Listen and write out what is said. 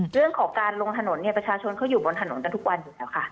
เรื่องของการลงถนนเนี่ยประชาชนเขาอยู่บนถนนกันทุกวันอยู่แล้วค่ะ